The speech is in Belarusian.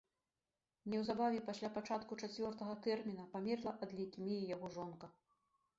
Неўзабаве пасля пачатку чацвёртага тэрміна памерла ад лейкеміі яго жонка.